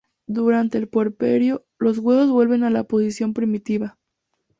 Durante el puerperio, los huesos vuelven a su posición primitiva.